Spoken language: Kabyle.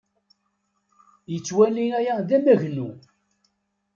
Yettwali aya d amagnu.